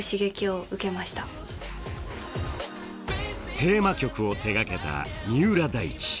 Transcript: テーマ曲を手がけた三浦大知。